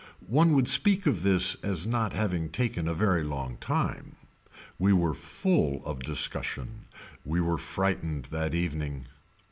One would speak of this as not having taken a very long time. We were full of discussion. We were frightened that evening.